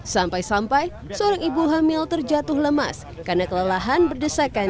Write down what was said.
sampai sampai seorang ibu hamil terjatuh lemas karena kelelahan berdesakan